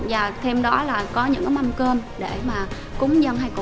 và thêm đó là có những cái mâm cơm để mà cúng dân hay cụ